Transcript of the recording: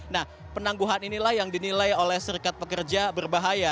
nah penangguhan inilah yang dinilai oleh serikat pekerja berbahaya